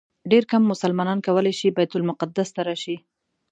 ډېر کم مسلمانان کولی شي بیت المقدس ته راشي.